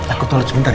aku tolong sebentar ya